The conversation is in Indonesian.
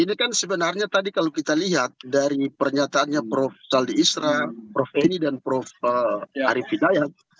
ini kan sebenarnya tadi kalau kita lihat dari pernyataannya prof saldi isra prof ini dan prof arief hidayat